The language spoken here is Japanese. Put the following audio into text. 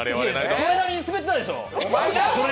それなりにスベってたでしょ！